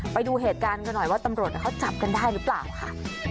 ไปดูเหตุการณ์กันหน่อยว่าตำรวจเขาจับกันได้หรือเปล่าค่ะ